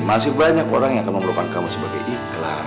masih banyak orang yang akan memerlukan kamu sebagai iklan